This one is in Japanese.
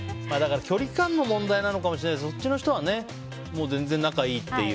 距離間の問題なのかもしれないですけどそっちの人は全然仲がいいと思ってて。